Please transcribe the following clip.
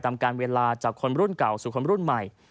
ตามการเวลาจากคนรุ่นเก่าสู่คนรุ่นใหม่